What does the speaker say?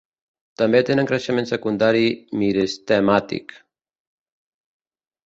També tenen creixement secundari meristemàtic.